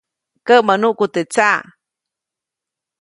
Käʼmäʼ nuʼku teʼ tsaʼ.